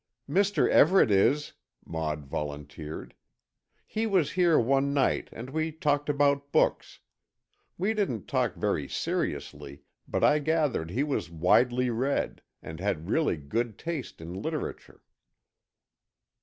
"Mr. Everett is," Maud volunteered. "He was here one night and we talked about books. We didn't talk very seriously, but I gathered he was widely read, and had really good taste in literature."